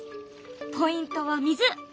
ポイントは水。